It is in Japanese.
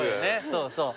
そうそう。